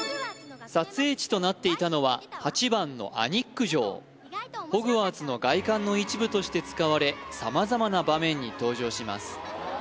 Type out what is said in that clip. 撮影地となっていたのは８番のアニック城ホグワーツの外観の一部として使われ様々な場面に登場します